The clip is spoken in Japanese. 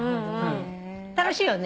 楽しいよね？